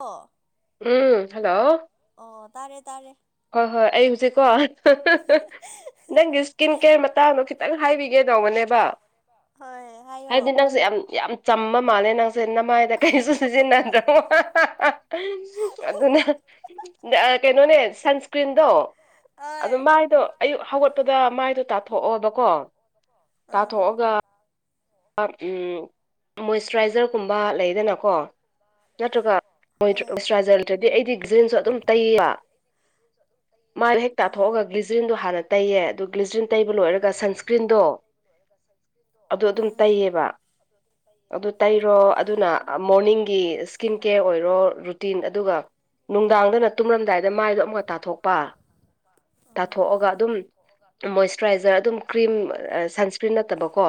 ꯑꯣ꯫ ꯎꯝ ꯍꯜꯂꯣ꯫ ꯑꯣ ꯇꯥꯔꯦ ꯇꯥꯔꯦ꯫ ꯍꯣꯏ ꯍꯣꯏ ꯑꯩ ꯍꯧꯖꯤꯛꯀꯣ꯫ ꯅꯪꯒꯤ ꯏꯁꯀꯤꯟ ꯀꯦꯌꯔ ꯃꯇꯥꯡꯗꯣ ꯈꯤꯇꯪ ꯍꯥꯏꯕꯤꯒꯦ ꯇꯧꯕꯅꯦꯕ꯫ ꯍꯣꯏ ꯍꯥꯏꯗꯤ ꯍꯥꯏꯌꯣ ꯅꯪꯁꯦ ꯌꯥꯝ ꯌꯥꯝ꯫ ꯆꯝꯃ ꯃꯥꯜꯂꯦ ꯅꯪꯁꯦ ꯅꯃꯥꯏꯗ ꯀꯔꯤꯁꯨ ꯁꯤꯖꯤꯟꯅꯗ꯭ꯔꯣ꯫ ꯑꯗꯨꯅ꯫ ꯀꯩꯅꯣꯅꯦ ꯁꯟꯁꯀ꯭ꯔꯤꯟꯗꯣ ꯍꯣꯏ ꯑꯗꯨ ꯃꯥꯏꯗꯣ꯫ ꯑꯌꯨꯛ ꯍꯧꯒꯠꯄꯗ ꯃꯥꯏꯗꯣ ꯇꯥꯊꯣꯛꯑꯣꯕꯀꯣ ꯑꯥ ꯇꯥꯊꯣꯛꯑꯒ꯫ ꯃꯣꯏꯆꯔꯥꯏꯖꯔꯒꯨꯝꯕ ꯂꯩ꯫ ꯁꯤꯗꯅꯀꯣ ꯅꯠꯇ꯭ꯔꯒ ꯍꯣꯏ ꯏꯁ꯭ꯔꯥꯖꯔꯗ꯭ꯔꯗꯤ ꯑꯩꯗꯤ ꯖꯤꯟꯁꯁꯨ ꯑꯗꯨꯝ ꯇꯩꯌꯦꯕ꯫ ꯃꯥꯏꯗꯣ ꯍꯦꯛ ꯑꯥ ꯇꯥꯊꯣꯛꯑꯒ ꯒ꯭ꯂꯤꯖꯔꯤꯟꯗꯣ ꯍꯥꯟꯅ ꯇꯩꯌꯦ ꯑꯗꯨ ꯒ꯭ꯂꯤꯖ꯭ꯔꯤꯟ ꯇꯩꯕ ꯂꯣꯏꯔꯒ ꯁꯟꯁꯀ꯭ꯔꯤꯟꯗꯣ꯫ ꯁꯥꯟꯏꯁꯀꯔꯤꯟꯗꯣ꯫ ꯋꯥ꯫ ꯑꯗꯨ ꯇꯩꯔꯣ ꯑꯗꯨꯅ ꯃꯣꯔꯅꯤꯡꯒꯤ ꯏꯁꯀꯤꯟ ꯀꯦꯌꯔ ꯑꯣꯏꯔꯣ ꯔꯨꯇꯤꯟ ꯑꯗꯨꯒ꯫ ꯅꯨꯡꯗꯥꯡꯗꯅ ꯇꯨꯝꯂꯝꯝꯗꯥꯏꯗ ꯃꯥꯏꯗꯣ ꯑꯃꯨꯛꯀ ꯇꯥꯊꯣꯛꯄ꯫ ꯑꯥ ꯇꯥꯊꯣꯛꯑꯒ ꯑꯗꯨꯝ ꯃꯣꯏꯆꯔꯥꯏꯖꯔ ꯑꯗꯨꯝ ꯀ꯭ꯔꯤꯝ ꯁꯟꯁꯀ꯭ꯔꯤꯟ ꯅꯠꯇꯕꯀꯣ꯫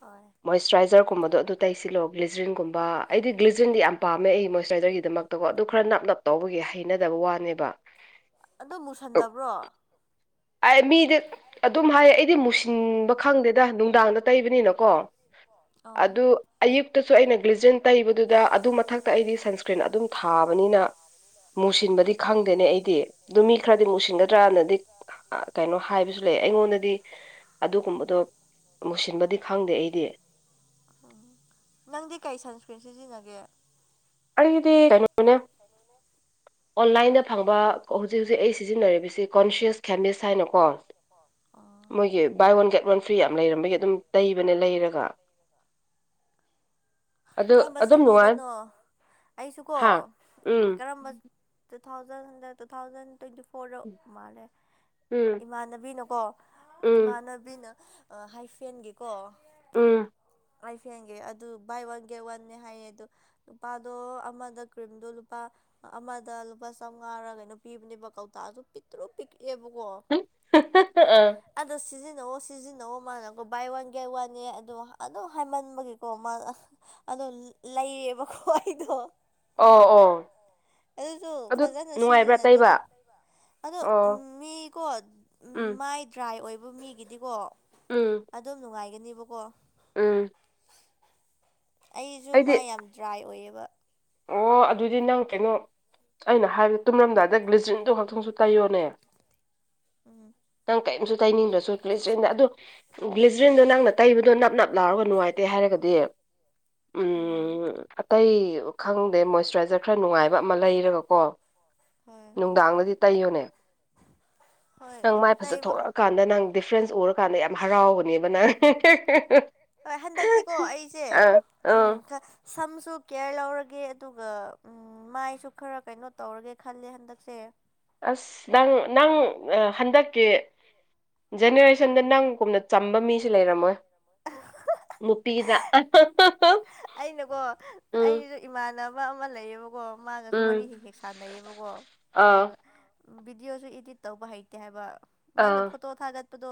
ꯍꯣꯏ꯫ ꯃꯣꯏꯆꯔꯥꯏꯖꯔꯒꯨꯝꯕꯗꯣ ꯑꯗꯨ ꯇꯁꯤꯜꯂꯣ ꯒ꯭ꯂꯤꯖꯔꯤꯟꯒꯨꯝꯕ ꯑꯩꯗꯤ ꯒ꯭ꯂꯤꯖꯔꯤꯟꯗꯤ ꯌꯥꯝꯅ ꯄꯥꯝꯃꯦ ꯑꯩ ꯃꯣꯏꯁꯆꯔꯥꯏꯖꯔꯒꯤꯗꯃꯛ꯫ ꯑꯗꯨꯒ ꯑꯗꯨ ꯈꯔ ꯅꯞ ꯅꯞ ꯇꯧꯕꯒꯤ ꯍꯩꯅꯗꯕ ꯋꯥꯅꯦꯕ꯫ ꯑꯗꯣ ꯃꯨꯁꯟꯗꯕ꯭ꯔꯣ꯫ ꯑꯩ ꯃꯤꯗꯤ ꯑꯗꯨꯝ ꯍꯥꯏ ꯑꯩꯗꯤ ꯃꯨꯁꯤꯟꯕ ꯈꯪꯗꯦꯗ ꯅꯨꯡꯗꯥꯡꯗ ꯇꯩꯕꯅꯤꯅꯀꯣ꯫ ꯑꯣ ꯑꯗꯨ ꯑꯌꯨꯛꯇꯁꯨ ꯑꯩꯅ ꯒ꯭ꯂꯤꯖꯔꯤꯟ ꯇꯩꯕꯗꯨꯗ ꯑꯗꯨ ꯃꯊꯛꯇ ꯑꯩꯗꯤ ꯁꯟꯁꯀ꯭ꯔꯤꯟ ꯑꯗꯨꯝ꯫ ꯊꯥꯕꯅꯤꯅ꯫ ꯃꯨꯁꯤꯟꯕꯗꯤ ꯈꯪꯗꯦꯅꯦ ꯑꯩꯗꯤ ꯑꯗꯨ ꯃꯤ ꯈꯔꯗꯤ ꯃꯨꯁꯤꯟꯒꯗ꯭ꯔꯅꯗꯤ꯫ ꯀꯩꯅꯣ ꯍꯥꯏꯕꯁꯨ ꯂꯩ ꯑꯩꯉꯣꯟꯗꯗꯤ ꯑꯗꯨꯒꯨꯝꯕꯗꯣ ꯃꯨꯁꯤꯟꯕꯗꯤ ꯈꯪꯗꯦ ꯑꯩꯗꯤ꯫ ꯅꯪꯗꯤ ꯀꯩ ꯁꯟꯁꯀ꯭ꯔꯤꯟ ꯁꯤꯖꯤꯟꯅꯒꯦ꯫ ꯑꯩꯗꯤ ꯀꯩꯅꯣꯅꯦ꯫ ꯑꯣꯟꯂꯥꯏꯟꯗ ꯐꯪꯕ ꯍꯧꯖꯤꯛ ꯍꯧꯖꯤꯛ ꯑꯩ ꯁꯤꯖꯤꯟꯅꯔꯤꯕꯁꯤ ꯀꯣꯟꯁꯤꯌꯁ ꯈꯦꯃꯤꯁ ꯍꯥꯏꯅꯀꯣ꯫ ꯑꯣ ꯃꯣꯏꯒꯤ buy one get one free ꯌꯥꯝ ꯂꯩꯔꯝꯕꯒꯤ ꯑꯗꯨꯝ ꯇꯩꯕꯅ ꯂꯩꯔꯒ ꯑꯗꯨ ꯀꯔꯝꯕ ꯑꯗꯨꯝ ꯅꯨꯡꯉꯥꯏ ꯆꯍꯤꯗꯅꯣ ꯑꯩꯁꯨꯀꯣ ꯍꯥ ꯎꯝ ꯀꯔꯝꯕ two thousand two thousand twenty four ꯄꯣꯔꯛ ꯎꯝ ꯃꯥꯜꯂꯦ ꯏꯃꯥꯟꯅꯕꯤꯅꯀꯣ ꯎꯝ ꯏꯃꯥꯟꯅ ꯕꯤꯅ ꯑ ꯍꯥꯏꯐꯦꯟꯒꯤꯀꯣ ꯎꯝ ꯑꯩ ꯐꯦꯡꯒꯦ ꯑꯗꯨ ꯕꯥꯏ ꯋꯥꯟ ꯒꯦ ꯋꯥꯟꯅꯦ ꯍꯥꯏꯌꯦ ꯑꯗꯨ ꯂꯨꯄꯥꯗꯣ ꯑꯃꯗ ꯀ꯭ꯔꯤꯝꯗꯣ ꯂꯨꯄꯥ ꯑꯃꯗ ꯂꯨꯄꯥ ꯆꯃꯉꯥꯔ ꯀꯩꯅꯣ ꯄꯤꯕꯅꯦꯕ ꯀꯧꯇꯥꯁꯨ ꯄꯤꯛꯇ꯭ꯔꯨ ꯄꯤꯛꯑꯦꯕꯀꯣ [unintelligible] ꯑꯗꯣ ꯁꯤꯖꯤꯟꯅꯧ ꯁꯤꯖꯤꯟꯅꯧ ꯃꯥꯅꯀꯣ ꯕꯥꯏ ꯋꯥꯟ ꯒꯥꯏ ꯋꯥꯟꯅꯦ ꯑꯗꯣ ꯑꯗꯨꯝ ꯍꯥꯏꯃꯟꯕꯒꯤ ꯀ ꯑꯗꯣ ꯂꯩꯌꯦꯕꯀꯣ ꯑꯩꯗꯣ ꯑꯣ ꯑꯣ ꯑꯗꯨꯁꯨ ꯑꯗꯨ ꯐꯖꯅ ꯅꯨꯡꯉꯥꯏꯕ꯭ꯔꯥ ꯇꯩꯕ ꯁꯤꯖꯤꯟꯅꯗꯦꯗ ꯑꯗꯣ ꯑꯣ ꯃꯤꯀꯣ ꯎꯝ ꯃꯥꯏ ꯇ꯭ꯔꯥꯏ ꯑꯣꯏꯕ ꯃꯤꯒꯤꯗꯤꯀꯣ ꯎꯝ ꯑꯗꯨꯣꯝ ꯅꯨꯡꯉꯥꯏꯒꯅꯦꯕꯀꯣ ꯎꯝ ꯑꯩꯁꯨ ꯑꯩꯗꯤ ꯃꯥꯏ ꯌꯥꯝ ꯗ꯭ꯔꯥꯏ ꯑꯣꯏꯌꯦꯕ ꯑꯣ ꯑꯗꯨꯗꯤ ꯅꯪ ꯀꯩꯅꯣ ꯑꯩꯅ ꯍꯥꯏꯕ ꯇꯨꯝꯔꯝꯗꯥꯏꯗ ꯒ꯭ꯂꯤꯖ꯭ꯔꯤꯟꯗꯨꯣ ꯈꯛꯇꯪꯁꯨ ꯇꯥꯏꯌꯣꯅꯦ ꯎꯝ ꯅꯪ ꯀꯔꯤꯝꯁꯨ ꯇꯥꯏꯅꯤꯡꯕꯁꯨꯈ ꯁꯗ ꯑꯗꯨ ꯒ꯭ꯂꯤꯖ꯭ꯔꯤꯟꯗꯣ ꯅꯪꯅ ꯇꯩꯕꯗꯣ ꯅꯞ ꯅꯞ ꯂꯥꯎꯔꯒ ꯅꯨꯡꯉꯥꯏꯇꯦ ꯍꯥꯏꯔꯒꯗꯤ ꯎꯝ ꯑꯇꯩ ꯈꯪꯗꯦ ꯃꯣꯏꯆꯔꯥꯏꯖꯔ ꯈꯔ ꯅꯨꯡꯉꯥꯏꯕ ꯑꯃ ꯂꯩꯔꯒꯀꯣ ꯍꯣꯏ ꯅꯨꯡꯗꯥꯡꯗꯗꯤ ꯇꯩꯌꯨꯅꯦ ꯍꯣꯏ ꯅꯪ ꯃꯥꯏ ꯐꯖ ꯇꯩꯕ ꯊꯣꯛꯣꯔꯛꯑꯀꯥꯟꯗ ꯅꯪ ꯗꯤꯐ꯭ꯔꯦꯟꯁ ꯎꯔꯀꯥꯟꯗ ꯌꯥꯝ ꯍꯔꯥꯎꯕꯅꯦꯕꯅ [unintelligible] ꯍꯣꯏ ꯍꯟꯗꯛꯇꯤꯀꯣ ꯑꯩꯁꯦ ꯑ ꯎꯝ ꯁꯝꯁꯨ ꯀꯦꯌꯔ ꯂꯧꯔꯒꯦ ꯑꯗꯨꯒ ꯎ ꯃꯥꯏꯁꯨ ꯈꯔ ꯀꯩꯅꯣ ꯇꯧꯔꯒꯦ ꯈꯜꯂꯦ ꯍꯟꯗꯛꯁꯦ ꯑꯁ ꯅꯪ ꯅꯪ ꯍꯟꯗꯛꯀꯤ ꯖꯦꯅꯦꯔꯦꯁꯟꯗ ꯅꯪꯒꯨꯝꯅ ꯆꯝꯕ ꯃꯤꯁꯨ ꯂꯩꯔꯝꯃꯣꯏ ꯃꯄꯤꯅ ꯑꯍꯥ ꯑꯩꯅꯀꯣ ꯑꯩꯒꯤꯁꯨ ꯏꯃꯥꯟꯅꯕ ꯑꯃ ꯂꯩꯌꯦꯕꯀꯣ ꯃꯥꯒꯁꯨ ꯋꯥꯔꯤ ꯎꯝ ꯍꯦꯛ ꯍꯦꯛ ꯁꯥꯟꯅꯩꯕꯀꯣ ꯑꯥ ꯑꯗꯨꯒ ꯚꯤꯗꯤꯑꯣꯁꯨ ꯏꯗꯤꯠ ꯇꯧꯕ ꯍꯩꯇꯦ ꯍꯥꯏꯕ ꯅꯪꯅ ꯑꯥ ꯐꯣꯇꯣ ꯊꯥꯒꯠ ꯄꯗꯣ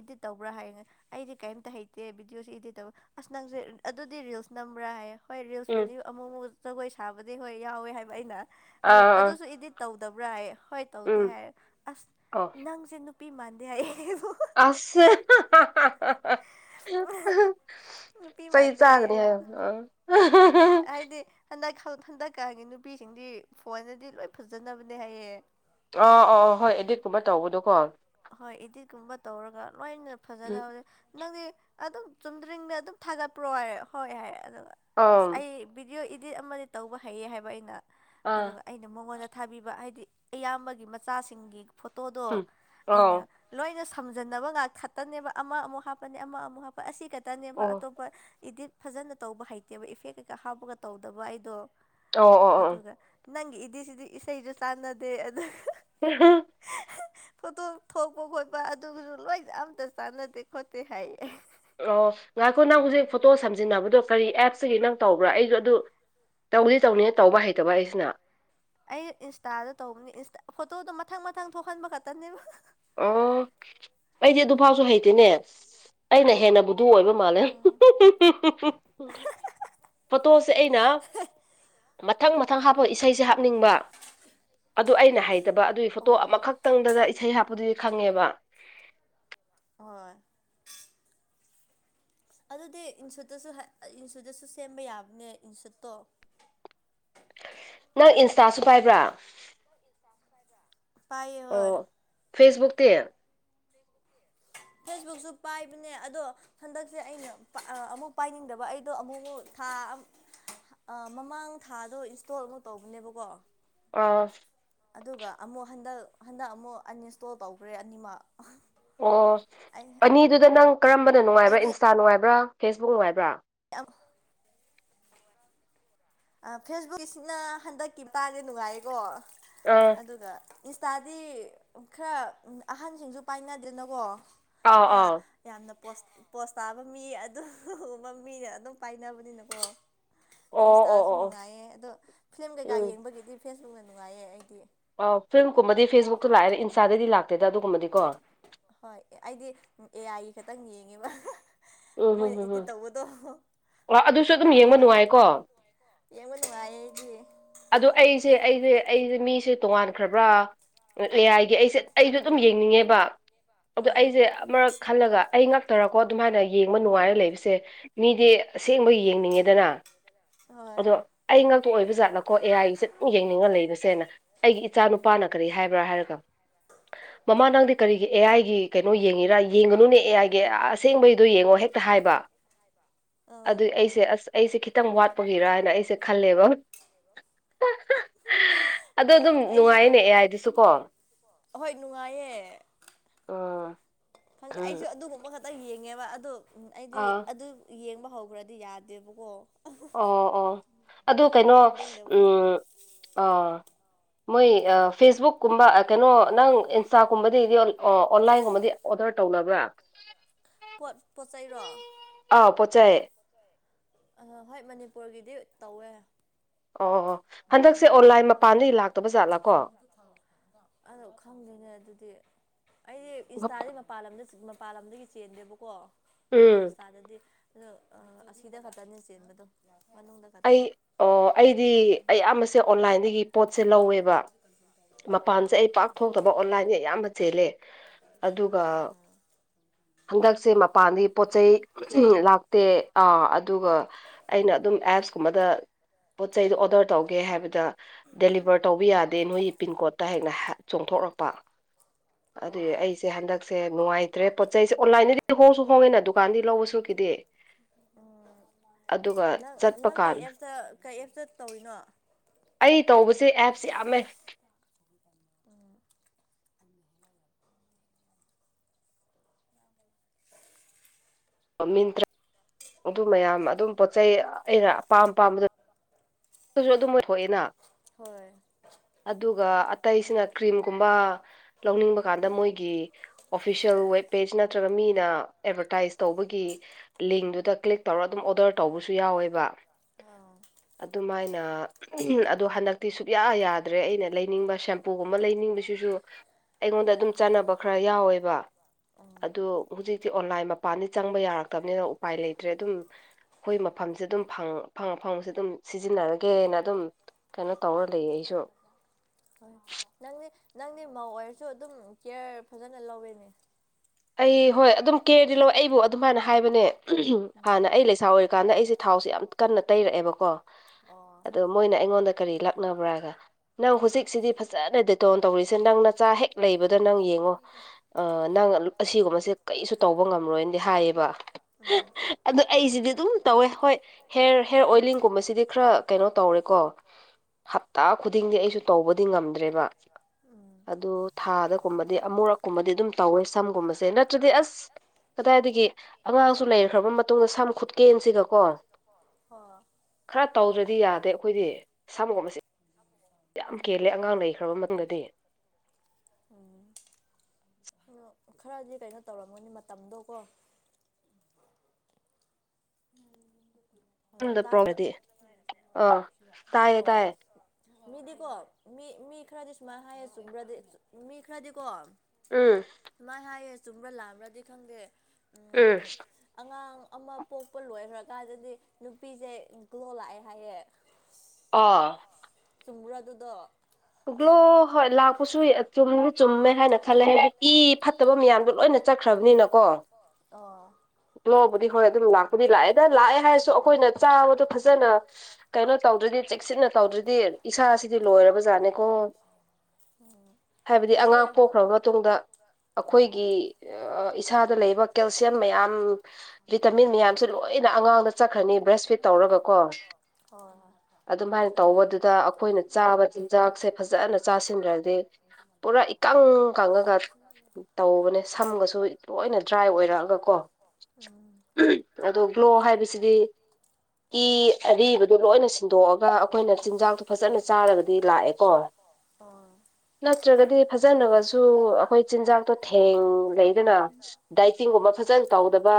ꯏꯗꯤꯠ ꯇꯧꯕ꯭ꯔꯥ ꯍꯥꯏꯌꯦ ꯑꯩꯗꯤ ꯀꯩꯝꯇ ꯍꯩꯇꯦ ꯚꯗꯤꯑꯣꯁꯦ ꯏꯗꯤꯦꯠ ꯇꯕ ꯑꯁ ꯅꯪꯁꯦ ꯑꯗꯨꯗꯤ ꯔꯤꯜꯁ ꯅꯝꯕ꯭ꯔꯥ ꯍꯥꯏꯌꯦ ꯍꯣꯏ ꯎꯝ ꯔꯤꯜꯁꯄꯨꯗꯤ ꯑꯃꯨꯛ ꯑꯃꯨꯛ ꯖꯒꯣꯏ ꯁꯥꯕꯗꯤ ꯍꯣꯏ ꯌꯥꯎꯋꯦ ꯍꯥꯏꯕ ꯑꯩꯅ ꯑ ꯑꯥ ꯑꯥ ꯑꯗꯨꯁꯨ ꯏꯗꯤꯠ ꯇꯧꯗꯕ꯭ꯔꯥ ꯍꯥꯏꯌꯦ ꯍꯣꯏ ꯎꯝ ꯇꯧꯗꯦ ꯍꯥꯏꯔ ꯑꯁ ꯑꯣ ꯅꯪꯁꯦ ꯅꯨ ꯅꯨꯄꯤ ꯃꯥꯥꯟꯗꯦ ꯍꯥꯏꯌꯦ ꯑꯩꯕꯨ ꯑꯁ [unintelligible] ꯅꯨꯄꯤ ꯃꯥꯟꯗꯦ ꯍꯥꯏꯌꯦ ꯑꯩꯕꯨ ꯍꯥꯏꯗꯤ ꯍꯟꯗꯛ ꯍꯟꯗꯛꯀꯒꯤ ꯅꯨꯄꯤꯁꯤꯡꯗꯤ ꯐꯣꯟꯅꯗꯤ ꯂꯣꯏ ꯐꯖꯅꯕꯅꯦ ꯍꯥꯏꯌꯦꯦ ꯑꯥ ꯑ ꯑ ꯍꯣꯏ ꯑꯦꯗꯤꯠꯀꯨꯝꯕ ꯇꯧꯕꯗꯣꯀꯣ ꯍꯣꯏ ꯏꯗꯤꯠꯀꯨꯝꯕ ꯇꯧꯔꯒ ꯂꯣꯏꯅ ꯐꯖꯅ ꯎꯝ ꯍꯧ ꯅꯪꯗꯤ ꯑꯗꯨꯝ ꯆꯨꯝꯗ꯭ꯔꯤꯡꯗ ꯑꯗꯨꯝ ꯊꯥꯒꯠꯄ꯭ꯔꯣ ꯍꯥꯏ ꯍꯣꯏ ꯍꯥꯏ ꯑꯗꯨꯒ ꯑꯥ ꯑꯁ ꯑꯩ ꯕꯤꯤꯗꯤꯑꯣ ꯏꯗꯤꯠ ꯑꯃꯗꯤ ꯇꯧꯕ ꯍꯩꯌꯦ ꯍꯥꯏꯕ ꯑꯩꯅ ꯑꯥ ꯑꯗꯨꯒ ꯑꯩꯅ ꯃꯉꯣꯟꯗ ꯊꯥꯕꯤꯕ ꯍꯥꯏꯗꯤ ꯑꯌꯥꯝꯕꯒꯤ ꯃꯆꯥꯁꯤꯡꯒꯤ ꯎꯝ ꯐꯣꯇꯣꯗꯣ ꯑꯥꯎ ꯑꯩꯅ ꯂꯣꯏꯅ ꯁꯝꯖꯟꯅꯕ ꯉꯥꯛ ꯈꯛꯇꯅꯦꯕ ꯑꯃ ꯑꯃꯨꯛ ꯍꯥꯞꯄꯅꯦ ꯑꯃ ꯑꯃꯨꯛ ꯍꯥ ꯑꯁꯤ ꯈꯛꯇꯅꯦꯕ ꯑꯣ ꯑꯇꯣꯞꯄ ꯏꯗꯤꯠ ꯐꯖꯅ ꯇꯧꯕ ꯍꯩꯇꯦꯕ ꯏꯐꯦꯛ ꯀꯩꯀꯥ ꯍꯥꯞꯄꯒ ꯇꯧꯗꯕ ꯑꯩꯗꯣ ꯑꯣ ꯑꯣ ꯑꯣ ꯑꯗꯨꯒ ꯅꯪꯒꯤ ꯏꯗꯤꯠꯁꯤꯗꯤ ꯏꯁꯩꯁꯨ ꯆꯥꯟꯅꯗꯦ ꯑꯗꯨꯒ [unintelligible] [unintelligible] ꯊꯣꯛꯄ ꯈꯣꯠꯄ ꯑꯗꯨꯕꯨꯁꯨ ꯂꯣꯏꯅ ꯑꯝꯇ ꯆꯥꯟꯅꯗꯦ ꯈꯣꯠꯇꯦ ꯍꯥꯏꯌꯦ ꯑꯣ ꯉꯥꯏꯈꯣ ꯅꯪ ꯍꯧꯖꯤꯛ ꯐꯣꯇꯣ ꯁꯝꯖꯤꯟꯅꯕꯗꯣ ꯀꯔꯤ ꯑꯦꯞꯇꯒꯤ ꯅꯪ ꯇꯧꯕ꯭ꯔꯥ ꯑꯩꯗꯣ ꯑꯗꯨ ꯇꯧꯗꯤ ꯇꯧꯅꯤ ꯇꯧꯕ ꯍꯩꯇꯕ ꯑꯩꯁꯤꯅ ꯑꯩ ꯏꯟꯁꯇꯥꯗ ꯇꯧꯕꯅꯤ ꯏꯟꯁꯇꯥ ꯐꯣꯇꯣꯗꯣ ꯃꯊꯪ ꯃꯊꯪ ꯊꯣꯛꯍꯟꯕ ꯈꯛꯇꯅꯦꯕ ꯑꯣ ꯑꯩꯗꯤ ꯑꯗꯨꯐꯥꯎꯁꯨ ꯍꯩꯇꯦꯅꯦ ꯑꯩꯅ ꯍꯦꯟꯅꯕꯨ ꯑꯗꯨ ꯑꯣꯏꯕ ꯃꯥꯜꯂꯦ ꯐꯣꯇꯣꯁꯦ ꯑꯩꯅ ꯃꯊꯪ ꯃꯊꯪ ꯍꯥꯞꯄ ꯏꯁꯩꯁꯦ ꯍꯥꯞꯅꯤꯡꯕ ꯑꯗꯨ ꯑꯩꯅ ꯍꯥꯏꯇꯕ ꯑꯗꯨꯒꯤ ꯐꯣꯇꯣ ꯑꯣ ꯑꯃꯈꯛꯇꯪꯗꯗ ꯏꯁꯩ ꯍꯥꯞ ꯄꯨꯗꯤ ꯈꯪꯉꯦꯕ ꯍꯣꯏ ꯑꯗꯨꯗꯤ ꯏꯟꯁꯨꯠꯇꯁꯨ ꯏꯟꯁꯨꯠꯇꯁꯨ ꯁꯦꯝꯕ ꯌꯥꯕꯅꯦ ꯏꯟꯁꯨꯠꯇꯣ ꯅꯪ ꯏꯟꯁꯇꯥꯁꯨ ꯄꯥꯏꯕ꯭ꯔꯥ ꯄꯥꯏꯌꯦ ꯍꯣꯏ ꯑꯣ ꯐꯦꯁꯕꯨꯛ ꯇ ꯐꯦꯁꯕꯨꯛꯁꯨ ꯄꯥꯏꯕꯅꯦ ꯑꯗꯣ ꯍꯟꯗꯛꯁꯦ ꯑꯩꯅ ꯑꯃꯨꯛ ꯄꯥꯏꯅꯤꯡꯗꯕ ꯑꯩꯗꯣ ꯑꯃꯨꯛ ꯃꯨꯛ ꯊꯥ ꯑꯠꯃꯃꯥꯡ ꯊꯥꯗꯣ ꯏꯟꯁꯇꯣꯜ ꯑꯃꯨꯛ ꯇꯧꯕꯅꯦꯕꯀꯣ ꯑꯥ ꯑꯗꯨꯒ ꯑꯃꯨꯛ ꯍꯟꯗꯛ ꯍꯟꯗꯛ ꯑꯃꯨꯛ ꯑꯟꯏꯟꯁꯇꯣꯜ ꯇꯧꯈ꯭ꯔꯦ ꯑꯅꯤꯃꯛ ꯑꯣ ꯑ ꯑꯅꯤꯗꯨꯗ ꯅꯪ ꯀꯔꯝꯕꯅ ꯅꯨꯡꯉꯥꯏꯕ꯭ꯔꯥ ꯏꯟꯁꯇꯥ ꯅꯨꯡꯉꯥꯏꯕ꯭ꯔꯥ ꯐꯦꯁꯕꯨꯛ ꯅꯨꯡꯉꯥꯏꯕ꯭ꯔꯥ [unintelligible] ꯐꯦꯁꯕꯨꯛꯁꯤꯅ ꯍꯟꯗꯛꯀꯤ ꯇꯁꯦ ꯅꯨꯡꯉꯥꯏꯀꯣ ꯑꯥ ꯑꯗꯨꯒ ꯏꯟꯁꯇꯥꯗꯤ ꯈꯔ ꯑꯍꯟꯁꯤꯡꯁꯨ ꯄꯥꯏꯅꯗ꯭ꯔꯦꯅꯀꯣ ꯑꯥꯎ ꯑꯥ ꯑꯥꯎ ꯌꯥꯝꯅ ꯄꯣꯁ ꯇꯥꯕ ꯃꯤ ꯑꯗꯨꯕ ꯃꯤꯅ ꯑꯗꯨꯝ ꯄꯥꯏꯅꯕꯅꯤꯅꯀꯣ ꯑꯣ ꯑꯣ ꯏꯟꯁꯇꯥꯗꯁꯨ ꯑꯣ ꯑꯣ ꯅꯨꯡꯉꯥꯏꯌꯦ ꯑꯗꯣ ꯐꯤꯂꯝ ꯀꯩꯀꯥ ꯎꯝ ꯌꯦꯡꯕꯒꯤꯗꯤ ꯐꯦꯁꯕꯨꯛꯅ ꯅꯨꯡꯉꯥꯏꯌꯦ ꯑꯩꯗꯤ ꯑ ꯐꯤꯂꯝ ꯀꯨꯝꯕꯗꯤ ꯐꯦꯁꯕꯨꯛꯇ ꯂꯥꯛꯑꯔꯦ ꯏꯟꯁꯇꯥꯗꯗꯤ ꯂꯥꯛꯇꯦꯗ ꯑꯗꯨꯒꯨꯝꯕꯗꯤꯀꯣ ꯍꯣꯏ ꯑꯩꯗꯤ ꯑꯦ ꯑꯥꯏꯒꯤ ꯈꯛꯇꯪ ꯌꯦꯡꯉꯦꯕ ꯎꯝ ꯍꯝ ꯃꯣꯏꯅ ꯍꯝ ꯏꯗꯤꯠ ꯍꯝ ꯇꯧꯕꯗꯣ ꯑ ꯑꯗꯨꯁꯨ ꯑꯗꯨꯝ ꯌꯦꯡꯕ ꯑꯗꯨꯒꯨꯝꯕꯗꯨ ꯅꯨꯡꯉꯥꯏꯀꯣ ꯌꯦꯡꯕ ꯅꯨꯡꯉꯥꯏꯌꯦ ꯑꯩꯗꯤ ꯑꯗꯣ ꯑꯩꯁꯦ ꯑꯩꯁꯦ ꯑꯩꯁꯦ ꯃꯤꯁꯦ ꯇꯣꯉꯥꯟꯈ꯭ꯔꯕ꯭ꯔꯥ ꯂꯩ ꯍꯥꯏ꯫ꯏꯒꯤ ꯑꯩꯁꯦ ꯑꯩꯁꯨ ꯑꯗꯨꯝ ꯌꯦꯡꯅꯤꯡꯉꯦꯕ ꯑꯗꯣ ꯑꯥ ꯑꯩꯁꯦ ꯑꯃꯛ ꯈꯜꯂꯒ ꯑꯩ ꯉꯥꯛꯛꯇꯔꯀꯣ ꯑꯗꯨꯝ ꯍꯥꯏꯥꯏꯅ ꯌꯦꯡꯕ ꯅꯨꯡꯉꯥꯏꯔ ꯂꯩꯕꯁꯦ ꯃꯤꯗꯤ ꯑꯁꯦꯡꯕ ꯌꯦꯡꯅꯤꯡꯉꯦꯗꯅ ꯍꯣꯏ ꯑꯗꯣ ꯑꯩ ꯉꯥꯛꯇꯨ ꯑꯣꯏꯕ ꯖꯥꯠꯅꯀꯣ ꯑꯦ ꯑꯥꯏꯒꯤꯁꯦ ꯑꯗꯨꯪ ꯌꯦꯡꯅꯤꯡꯉ ꯂꯩꯔꯁꯦꯅ ꯑꯩꯒꯤ ꯏꯆꯥ ꯅꯨꯄꯥꯅ ꯀꯔꯤ ꯍꯥꯏꯕ꯭ꯔꯥ ꯍꯥꯏꯔꯒ ꯃꯃꯥ ꯅꯪꯗꯤ ꯀꯔꯤꯒꯤ ꯑꯦ ꯑꯥꯏꯒꯤ ꯀꯩꯅꯣ ꯌꯦꯡꯉꯤꯔ ꯌꯦꯡꯒꯅꯨꯅꯦ ꯑꯦ ꯑꯥꯏꯒꯤ ꯑꯁꯦꯡꯕꯒꯤ ꯑꯗꯨ ꯌꯦꯡꯉꯣ ꯍꯦꯛꯇ ꯍꯥꯏꯕ ꯑꯥ ꯑꯗꯨꯏ ꯑꯩꯁꯦ ꯑꯁ ꯑꯩꯁꯦ ꯈꯤꯇꯪ ꯋꯥꯠꯄꯒꯤꯔ ꯍꯥꯏꯅ ꯑꯩꯁꯦ ꯈꯜꯂꯦꯕ ꯑꯗꯣ ꯑꯗꯨꯝ ꯑꯁ ꯑꯩꯁꯦ ꯅꯨꯡꯉꯥꯏꯌꯦꯅꯦ ꯑꯦꯌꯥꯥꯏꯗꯨꯁꯨ ꯀꯣ ꯑꯍꯣꯏ ꯅꯨꯡꯉꯥꯏꯌꯦ ꯑꯣ ꯈꯪꯗꯦ ꯑꯩꯁꯨ ꯑꯗꯨꯒꯨꯝꯕ ꯈꯛꯇꯪ ꯌꯦꯡꯉꯦꯕ ꯑꯗꯣ ꯑꯩꯗꯤ ꯑꯥ ꯑꯗꯨ ꯌꯦꯡꯕ ꯍꯧꯈ꯭ꯔꯗꯤ ꯌꯥꯗꯦꯕꯀꯣ ꯑꯣ ꯑꯣ ꯑꯗꯨ ꯀꯩꯅꯣ ꯎ ꯂꯦꯞꯅꯤꯡꯗꯕꯗꯣ ꯑꯥ ꯃꯣꯏ ꯐꯦꯁꯕꯨꯛ ꯀꯨꯝꯕ ꯀꯩꯅꯣ ꯅꯪ ꯏꯟꯁꯇꯥꯒꯨꯝꯕꯗꯗꯤ ꯑꯣꯟꯂꯥꯏꯟꯒꯨꯝꯕꯗꯤ ꯑꯣꯗꯔ ꯇꯧꯅꯕ꯭ꯔꯥ ꯄꯣꯠ ꯄꯣꯠ ꯆꯩꯔꯣ ꯑꯥ ꯑꯥꯎ ꯄꯣꯠꯆꯩ ꯍꯣꯏ ꯃꯅꯤꯄꯨꯔꯒꯤꯗꯤ ꯇꯧꯋꯦ ꯑꯣ ꯍꯟꯗꯛꯁꯦ ꯑꯣꯟꯂꯥꯏꯟ ꯃꯄꯥꯟꯗꯒꯤ ꯂꯥꯛꯇꯕ ꯖꯥꯠꯂꯥ ꯀꯣ [inaudible] ꯑꯗꯣ ꯈꯪꯗꯦꯅꯦ ꯑꯗꯨꯗꯤ ꯑꯩꯗꯤ ꯏꯟꯁꯇꯥꯗꯤ ꯃꯄꯥꯟ ꯂꯝꯗ ꯃꯄꯥꯟ ꯂꯝꯗꯒꯤ ꯆꯦꯟꯗꯦꯕꯀꯣ ꯎꯝ ꯏꯟꯁꯇꯥꯗꯗꯤ ꯑꯗꯣ ꯑꯁꯤꯗ ꯈꯛꯇꯅꯤ ꯆꯦꯟꯕꯗꯣ ꯃꯅꯨꯡꯗ ꯑꯩ ꯈꯛꯇꯅꯦ ꯑꯣ ꯑꯩꯗꯤ ꯑꯌꯥꯝꯕꯁꯦ ꯑꯣꯟꯂꯥꯏꯟꯗꯒꯤ ꯄꯣꯠꯁꯦ ꯂꯧꯋꯦꯕ ꯑꯣ ꯃꯄꯥꯟꯖꯦ ꯑꯩ ꯄꯥꯛꯊ ꯊꯣꯛꯇꯕ ꯑꯣꯟꯂꯥꯏꯟ ꯑꯌꯥꯝꯕ ꯆꯦꯜꯂꯦ ꯑꯗꯨꯒ ꯍꯟꯗꯛꯁꯦ ꯃꯄꯥꯟꯗꯒꯤ ꯄꯣꯠ ꯆꯩꯩ ꯂꯥꯛ ꯇꯦ ꯑꯥ ꯑꯗꯨꯒ ꯑꯩꯅ ꯑꯗꯨꯝ ꯑꯦꯞꯁꯀꯨꯝꯕꯗ ꯄꯣꯠ ꯆꯩꯗꯣ ꯑꯣꯔꯗꯔ ꯇꯧꯒꯦ ꯍꯥꯏꯕꯗ ꯗꯦꯂꯤꯕꯔ ꯇꯧꯕ ꯌꯥꯗꯦ ꯅꯣꯏꯒꯤ ꯄꯤꯟꯀꯣꯗ ꯇꯥ ꯍꯥꯏꯅ ꯆꯣꯡꯊꯣꯔꯛꯄ ꯑꯗꯨꯏ ꯑꯣ ꯑꯩꯁꯦ ꯍꯟꯗꯛꯁꯦ ꯅꯨꯡꯉꯥꯏꯇ꯭ꯔꯦ ꯄꯣꯠ ꯆꯩꯁꯦ ꯑꯣꯟꯂꯥꯏꯟꯗ ꯍꯣꯡꯁꯨ ꯍꯣꯡꯉꯦꯅ ꯗꯨꯀꯥꯟꯗꯤ ꯂꯧꯕꯁꯨꯈꯤꯗꯤ ꯑꯗꯨꯒ ꯅꯪ ꯆꯠ ꯅꯪ ꯀꯩ ꯑꯦꯞꯇ ꯀꯩ ꯑꯦꯞꯇ ꯇꯧꯔꯤꯅꯣ ꯑꯩ ꯇꯧꯕꯁꯦ ꯑꯦꯞꯁ ꯌꯥꯝꯃꯦ ꯑꯣ ꯃꯤꯟꯇ꯭ꯔꯥ ꯑꯗꯨ ꯃꯌꯥꯝ ꯑꯗꯨꯝ ꯄꯣꯠ ꯆꯩꯩ ꯑꯩꯅ ꯑꯄꯥꯝ ꯄꯥꯝꯕꯗ ꯑꯗꯨꯁꯨ ꯑꯗꯨꯝ ꯃꯣꯏꯊꯣꯑꯦꯅ ꯍꯣꯏ ꯑꯗꯨꯒ ꯑꯇꯩꯁꯤꯅ ꯀ꯭ꯔꯤꯝꯒꯨꯝꯕ ꯂꯧꯅꯤꯡꯕ ꯀꯥꯟꯗ ꯃꯣꯏꯒꯤ ꯑꯣꯐꯤꯁꯌꯦꯦꯜ ꯋꯦꯕꯄꯦꯖ ꯅꯠꯇ꯭ꯔꯒ ꯃꯤꯅ ꯑꯦꯗꯕꯔꯇꯥꯏꯁ ꯇꯧꯕꯒꯤ ꯂꯤꯡꯗꯨꯗ ꯀ꯭ꯂꯤꯛ ꯇꯧꯔ ꯑꯗꯨꯝ ꯑꯣꯗꯔ ꯇꯧꯕꯁꯨ ꯌꯥꯎꯋꯦꯕ ꯑꯥ ꯑꯗꯨꯃꯥꯏꯅ ꯎꯝ ꯑꯗꯣ ꯍꯟꯗꯛꯇꯤ ꯁꯨꯛꯌꯥ ꯌꯥꯗ꯭ꯔꯦ ꯑꯩꯅ ꯂꯩꯅꯤꯡꯕ ꯁꯦꯝꯄꯨꯒꯨꯝꯕ ꯂꯩꯅꯤꯡꯕꯁꯤꯁꯨ ꯑꯩꯉꯣꯟꯗ ꯑꯗꯨꯝ ꯆꯥꯟꯅꯕ ꯈꯔ ꯌꯥꯎꯋꯦꯕ ꯑꯥ ꯑꯗꯨ ꯍꯧꯖꯤꯛꯇꯤ ꯑꯣꯟꯂꯥꯏꯟ ꯃꯄꯥꯟꯗꯤ ꯆꯪꯕ ꯌꯥꯔꯛꯇꯕꯅꯤꯅ ꯎꯄꯥꯏ ꯂꯩꯇ꯭ꯔꯦ ꯑꯗꯨꯝ ꯑꯩꯈꯣꯏ ꯃꯐꯝꯁꯦ ꯑꯗꯨꯝ ꯐꯪ ꯐꯪꯁꯦ ꯑꯗꯨꯝ ꯁꯤꯖꯤꯟꯅꯔꯒꯦꯅ ꯑꯗꯨꯝ ꯀꯩꯅꯣ ꯇꯧꯔ ꯂꯩꯌꯦ ꯑꯩꯁꯨ ꯍꯣꯏ ꯅꯪꯗꯤ ꯅꯪꯗꯤ ꯃꯧ ꯑꯣꯏꯔꯁꯨ ꯑꯗꯨꯝ ꯀꯦꯌꯔ ꯐꯖꯅ ꯂꯧꯋꯤꯅꯦ ꯑꯩ ꯍꯣꯏ ꯑꯗꯨꯝ ꯀꯦꯌꯔꯗꯤ ꯂꯧꯋꯦ ꯑꯩꯕꯨ ꯑꯗꯨꯝꯃꯥꯏꯅ ꯍꯥꯏꯕꯅꯦ ꯎꯝ ꯍꯥꯟꯅ ꯑꯩ ꯂꯩꯁꯥ ꯑꯣꯏꯔꯤꯀꯥꯟꯗ ꯑꯩꯁꯦ ꯊꯥꯎꯁꯦ ꯌꯥꯝ ꯀꯟꯅ ꯇꯩꯔꯛꯑꯦꯕꯀꯣ ꯑꯣ ꯑꯗꯣ ꯃꯣꯏꯅ ꯑꯩꯉꯣꯟꯗ ꯀꯔꯤ ꯂꯥꯛꯅꯕ꯭ꯔꯥꯒ ꯅꯪ ꯍꯧꯖꯤꯛꯁꯤꯗꯤ ꯐꯖꯅ ꯗꯦꯇꯣꯟ ꯇꯧꯔꯤꯁꯦ ꯅꯪ ꯅꯆꯥ ꯍꯦꯛ ꯂꯩꯕꯗꯣ ꯅꯪ ꯌꯦꯡꯉꯣ ꯑ ꯅꯪ ꯑꯁꯤꯒꯨꯝꯕꯁꯦ ꯀꯩꯁꯨ ꯇꯧꯕ ꯉꯝꯔꯣꯏꯅꯗꯤ ꯍꯥꯏꯌꯦꯕ ꯎꯝ ꯑꯗꯨ ꯑꯩꯁꯤꯗꯤ ꯑꯗꯨꯝ ꯇꯧꯋꯦ ꯍꯣꯏ ꯍꯦꯌꯔ ꯍꯦꯌꯔ ꯑꯣꯏꯂꯤꯡꯒꯨꯝꯕꯁꯤꯗꯤ ꯈꯔ ꯀꯩꯅꯣ ꯇꯧꯔꯦꯀꯣ ꯍꯞꯇꯥ ꯈꯨꯗꯤꯡꯗꯤ ꯑꯩꯁꯨ ꯇꯧꯕꯗꯤ ꯉꯝꯗ꯭ꯔꯦꯕ ꯎꯝ ꯑꯗꯨ ꯊꯥꯗꯒꯨꯝꯕꯗꯤ ꯑꯃꯨꯔꯛꯀꯨꯝꯕꯗꯤ ꯑꯗꯨꯝ ꯇꯧꯋꯦ ꯁꯝꯒꯨꯝꯕꯁꯦ ꯅꯠꯇ꯭ꯔꯗꯤ ꯑꯁ ꯀꯗꯥꯏꯗꯒꯤ ꯑꯉꯥꯡꯁꯨ ꯂꯩꯈ꯭ꯔꯕ ꯃꯇꯨꯡꯗ ꯁꯝ ꯈꯨꯠꯀꯦꯟꯁꯤꯒ ꯀꯣ ꯍꯣ ꯈꯔ ꯇꯧꯗ꯭ꯔꯗꯤ ꯌꯥꯗꯦ ꯑꯩꯈꯣꯏꯗꯤ ꯁꯝꯒꯣꯝꯕꯁꯦ ꯌꯥꯝ ꯀꯦꯜꯂꯦ ꯑꯉꯥꯡ ꯂꯩꯈ꯭ꯔꯕ ꯃꯇꯨꯡꯗꯗꯤ ꯎꯝ ꯈꯔꯗꯤ ꯀꯩꯅꯣ ꯇꯧꯔꯝꯒꯅꯤ ꯃꯇꯝꯗꯣ ꯀꯣ ꯍꯜꯂꯣ ꯁꯝꯗ ꯇꯥꯕ꯭ꯔꯥ ꯄ꯭ꯔꯣꯗꯤ [unintelligible] ꯑꯥ ꯇꯥꯏꯌꯦ ꯑꯣ ꯇꯥꯏꯌꯦ ꯃꯤꯗꯤꯀꯣ ꯃꯤ ꯃꯤ ꯈꯔꯗꯤ ꯁꯨꯃꯥꯏꯅ ꯍꯥꯏꯔ ꯆꯨꯝꯕ꯭ꯔꯗꯤ ꯃꯤ ꯈꯔꯗꯤꯀꯣ ꯎꯝ ꯁꯨꯃꯥꯏꯅ ꯍꯥꯏꯌꯦ ꯆꯨꯝꯕ꯭ꯔꯥ ꯂꯥꯑꯕ꯭ꯔꯗꯤ ꯈꯪꯗꯦ ꯎ ꯎꯝ ꯑꯉꯥꯡ ꯑꯃ ꯄꯣꯛꯄ ꯂꯣꯏꯈ꯭ꯔꯀꯥꯟꯗꯗꯤ ꯅꯨꯄꯤꯁꯦ ꯒ꯭ꯂꯣ ꯂꯥꯛꯑꯦ ꯍꯥꯏꯌꯦ ꯑꯥ ꯆꯨꯝꯃ꯭ꯔꯥꯗꯨꯗꯣ ꯭ꯂꯣ ꯍꯣꯏ ꯂꯥꯛꯄꯁꯨ ꯆꯨꯝ ꯆꯨꯝꯃꯦ ꯍꯥꯏꯅ ꯈꯜꯂꯦ ꯑꯗꯨ ꯏ ꯐꯠꯇꯕ ꯃꯌꯥꯝꯗꯣ ꯂꯣꯏꯅ ꯆꯠꯈ꯭ꯔꯕꯅꯤꯅ ꯀꯣ ꯑꯣ ꯂꯥꯛꯕꯨꯗꯤ ꯍꯣꯏ ꯑꯗꯨꯝ ꯂꯥꯛꯄꯨꯗꯤ ꯂꯥꯛꯑꯦꯗ ꯂꯥꯛꯑꯦ ꯍꯥꯏꯔꯁꯨ ꯑꯩꯈꯣꯏꯅ ꯆꯥꯕꯗꯣ ꯐꯖꯅ ꯀꯩꯅꯣ ꯇꯧꯗ꯭ꯔꯗꯤ ꯆꯦꯛꯁꯤꯟꯅ ꯇꯧꯗ꯭ꯔꯗꯤ ꯏꯁꯥꯁꯤꯗꯤ ꯂꯣꯏꯔꯕ ꯖꯥꯠꯅꯦꯀꯣ ꯍꯥꯏꯕꯗꯤ ꯏꯆꯦ ꯑꯉꯥꯡ ꯄꯣꯛꯈ꯭ꯔꯕ ꯃꯇꯨꯡꯗ ꯑꯣ ꯑꯩꯈꯣꯏꯒꯤ ꯏꯁꯥꯗ ꯂꯩꯕ ꯀꯦꯜꯁꯤꯌꯝ ꯃꯌꯥꯝ ꯚꯤꯇꯥꯃꯤꯟ ꯃꯌꯥꯝꯁꯦ ꯂꯣꯏꯅ ꯑꯉꯥꯡꯗ ꯆꯠꯈ꯭ꯔꯅꯤ ꯕ꯭ꯔꯦꯁꯐꯤꯠ ꯇꯧꯔꯒ ꯀꯣ ꯍꯣꯏ ꯍꯣꯏ ꯑꯗꯨꯝꯥꯏꯅ ꯆꯨꯝꯃꯦ ꯇꯧꯕꯗꯨꯗ ꯑꯩꯈꯣꯏꯅ ꯆꯥꯕꯗꯤ ꯆꯤꯟꯖꯥꯛꯁꯦ ꯐꯖꯅ ꯆꯥꯁꯤꯟꯗ꯭ꯔꯗꯤ ꯄꯨꯔꯥ ꯏꯀꯪ ꯀꯪꯉꯒ ꯇꯧꯕꯅꯦ ꯁꯝꯒꯁꯨ ꯂꯣꯏꯅ ꯗ꯭ꯔꯥꯏ ꯑꯣꯏꯔꯛꯑꯒꯀꯣ ꯑꯗꯣ ꯒ꯭ꯂꯣ ꯍꯥꯏꯕꯁꯤꯗꯤ ꯀꯤ ꯑꯔꯤꯕꯗꯨꯣ ꯂꯣꯏꯅ ꯁꯤꯟꯗꯣꯛꯑꯒ ꯑꯩꯈꯣꯏꯅ ꯆꯤꯟꯖꯥꯛꯇꯣ ꯐꯖꯅ ꯆꯥꯔꯕ ꯗꯤ ꯂꯥꯛꯑꯦꯀꯣ ꯑꯣꯥ ꯅꯠꯇ꯭ꯔꯒꯗꯤ ꯐꯖꯅꯕꯁꯨ ꯑꯩꯈꯣꯏ ꯆꯤꯟꯖꯥꯛꯇꯣ ꯊꯦꯡ ꯂꯩꯗꯅ ꯗꯥꯏꯇꯤꯡꯒꯨꯝꯕ ꯐꯖꯅ ꯇꯧꯗꯕ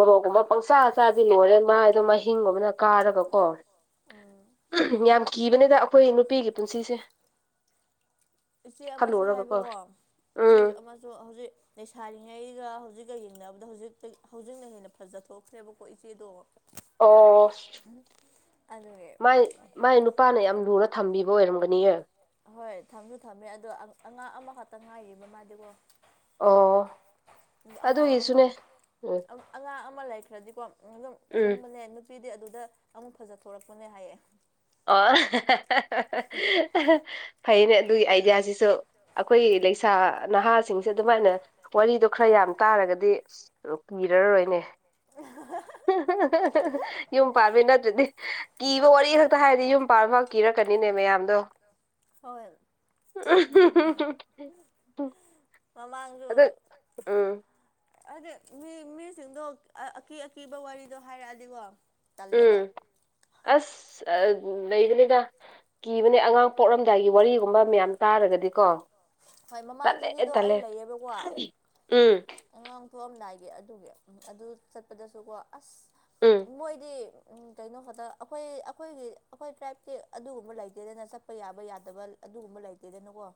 ꯃꯣꯔꯣꯛꯒꯨꯝꯕ ꯄꯪꯆꯥ ꯑꯆꯥꯗꯤ ꯂꯣꯏꯔꯦ ꯃꯥꯥꯏꯗꯣ ꯃꯍꯍꯤꯡꯒꯨꯝꯕꯅ ꯀꯥꯔꯒꯀꯣ ꯎꯝ ꯌꯥꯝ ꯀꯤꯕꯅꯤꯗ ꯑꯩꯈꯣꯏ ꯅꯨꯄꯤꯒꯤ ꯄꯨꯟꯁꯤꯁꯦ ꯏꯆꯦ ꯑꯃꯁꯨ ꯈꯜꯂꯨꯔꯒꯀꯣ ꯍꯥꯏꯕꯀꯣ ꯎꯝ ꯏꯆꯦꯁꯨ ꯑꯃꯁꯨ ꯍꯧꯖꯤꯛ ꯂꯩꯁꯥꯔꯤꯉꯩꯒ ꯍꯧꯖꯤꯛꯀ ꯌꯦꯡꯅꯕꯗ ꯍꯧꯖꯤꯛꯇ ꯍꯧꯖꯤꯛꯅ ꯍꯦꯟꯅ ꯐꯖꯊꯈ꯭ꯔꯦꯕꯀꯣ ꯏꯆꯦꯗꯣ ꯑꯣ ꯑꯗꯨꯒꯤ ꯏꯄꯥꯅ ꯌꯥꯝ ꯂꯨꯅ ꯊꯝꯕꯤꯕ ꯑꯣꯏꯔꯝꯒꯅꯤꯌꯦ ꯍꯣꯏ ꯊꯝꯁꯨ ꯊꯝꯃꯦ ꯑꯗꯣ ꯑꯉꯥꯡ ꯑꯃꯈꯛꯇ ꯉꯥꯏꯔꯤꯕ ꯃꯥꯗꯤꯀꯣ ꯑꯣ ꯑꯉꯥꯡ ꯑꯃ ꯑꯗꯨꯒꯤꯁꯨꯅꯦ ꯎꯝ ꯑꯉꯥꯡ ꯑꯃ ꯂꯩꯈ꯭ꯔꯗꯤꯀꯣ ꯑꯗꯨꯝ ꯎꯝ ꯈꯪꯕꯅꯦ ꯅꯨꯄꯤꯗꯤ ꯑꯗꯨꯗ ꯑꯃꯨꯛ ꯐꯖꯊꯣꯔꯛꯄꯅꯦ ꯍꯥꯏꯌꯦ ꯑꯣ ꯐꯩꯅꯦ ꯑꯗꯨꯒꯤ ꯑꯥꯏꯗꯤꯌꯥꯁꯤꯁꯨ ꯑꯩꯈꯣꯏ ꯂꯩꯁꯥ ꯅꯍꯥꯁꯤꯡꯁꯦ ꯑꯗꯨꯃꯥꯏꯅ ꯋꯥꯔꯤꯗꯣ ꯈꯔ ꯌꯥꯝ ꯇꯥꯔꯒꯗꯤ ꯀꯤꯔꯔꯣꯏꯅꯦ ꯎ ꯌꯨꯝ ꯄꯥꯝꯃꯦ ꯅꯠꯇ꯭ꯔꯗꯤ ꯀꯤꯕ ꯋꯥꯔꯤ ꯈ ꯍꯥꯏꯗꯤ ꯌꯨꯝ ꯄꯥꯕ ꯐꯥꯎ ꯀꯤꯔꯛꯀꯅꯤꯅꯦ ꯃꯌꯥꯝꯗꯣ ꯍꯣꯏ ꯑ ꯍꯍꯍꯍ ꯃꯃꯥꯡꯁꯨ ꯎꯝ ꯑꯗꯨꯗꯗꯤ ꯃꯤ ꯃꯤꯁꯤꯡꯗꯣ ꯑꯀꯤ ꯑꯀꯤꯕ ꯋꯥꯔꯤꯗꯣ ꯍꯥꯏꯔꯛꯑꯗꯤꯀꯣ ꯇꯜꯂꯦꯕ ꯎꯝ ꯑꯁ ꯂꯩꯒꯅꯤꯗ ꯀꯤꯕꯅꯦ ꯑꯉꯥꯡ ꯄꯣꯛꯂꯝꯝꯗꯥꯏꯒꯤ ꯋꯥꯔꯤꯒꯨꯝꯕ ꯃꯌꯥꯝ ꯇꯥꯔꯒꯗꯤꯀꯣ ꯍꯣꯏ ꯃꯃꯥꯡ ꯇꯜꯂꯦ ꯆꯍꯤꯗꯣ ꯑꯩ ꯇꯜꯂꯦ ꯂꯩꯌꯦꯕꯀꯣ ꯎꯝ ꯑꯉꯥꯡ ꯊꯣꯛꯑꯝꯗꯥꯏꯒꯤ ꯑꯗꯨꯒꯤ ꯑꯗꯨ ꯆꯠꯄꯗꯁꯨꯀꯣ ꯑꯁ ꯎꯝ ꯃꯣꯏꯗꯤ ꯎ ꯀꯩꯅꯣ ꯈꯛꯇ ꯑꯩꯈꯣꯏ ꯑꯩꯈꯣꯏꯒꯤ ꯑꯩꯈꯣꯏ ꯇ꯭ꯔꯥꯏꯞꯇꯤ ꯑꯗꯨꯒꯨꯝꯕ ꯂꯩꯇꯦꯗꯅ ꯆꯠꯄ ꯆꯠꯄ ꯌꯥꯕ ꯌꯥꯗꯕ ꯑꯗꯨꯒꯨꯝꯕ ꯂꯩꯇꯦꯗꯅꯀꯣ